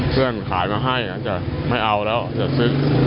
เพื่อนขายมาให้อาจจะไม่เอาแล้วจะซื้อ